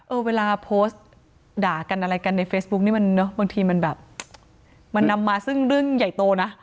เวลาโพสต์ด่ากันอะไรกันในเฟซบุ๊กนี่มันเนอะบางทีมันแบบมันนำมาซึ่งเรื่องใหญ่โตนะ